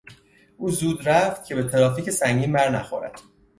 او زود رفت که به ترافیک سنگین برنخورد.